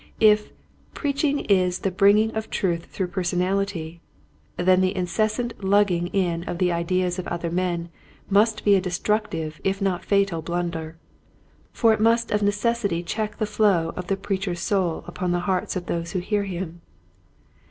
If *' preaching is the bringing of truth through personality " then the inces sant lugging in of the ideas of other men must be a destructive if not fatal blunder ; for it must of necessity check the flow of the preacher's soul upon the hearts of those who hear him.